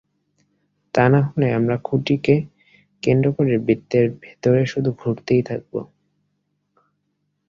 তা না হলে আমরা খুঁটিকে কেন্দ্র করে বৃত্তের ভেতর শুধু ঘুরতেই থাকব।